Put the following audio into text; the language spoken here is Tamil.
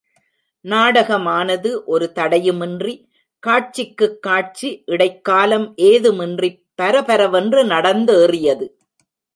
நாடகமானது ஒரு தடையுமின்றி, காட்சிக்குக் காட்சி இடைக்காலம் ஏதுமின்றிப் பரபரவென்று நடந்தேறியது.